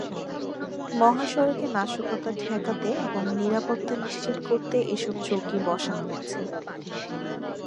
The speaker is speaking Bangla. মহাসড়কে নাশকতা ঠেকাতে এবং নিরাপত্তা নিশ্চিত করতে এসব চৌকি বসানো হয়েছে।